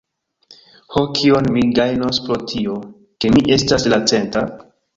"Ho, kion mi gajnos pro tio, ke mi estas la centa?"